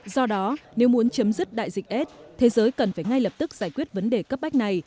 do đó nếu muốn chấm dứt đại dịch s thế giới cần phải ngay lập tức giải quyết vấn đề cấp bách này